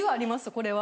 これは。